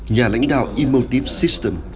nhà lãnh đạo emotive system